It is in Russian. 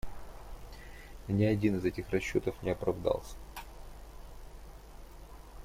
Ни один из этих расчетов не оправдался.